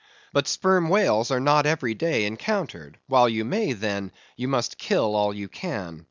But sperm whales are not every day encountered; while you may, then, you must kill all you can.